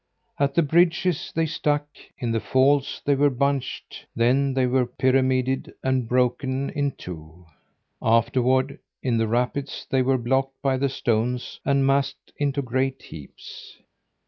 At the bridges they stuck; in the falls they were bunched, then they were pyramided and broken in two; afterward, in the rapids, they were blocked by the stones and massed into great heaps.